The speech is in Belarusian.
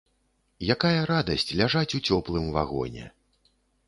Якая радасць ляжаць у цёплым вагоне!